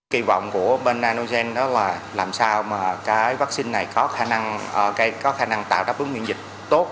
kỳ vọng của bên nanogen đó là làm sao mà cái vaccine này có khả năng tạo đáp ứng nguyện dịch tốt